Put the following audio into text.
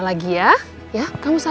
oma kenapa oma